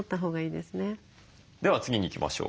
では次に行きましょう。